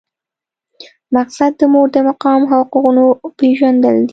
مقصد د مور د مقام او حقونو پېژندل دي.